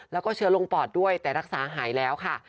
แล้วก็เชื้อลงปอดด้วยแต่รักษาหายแล้วค่ะ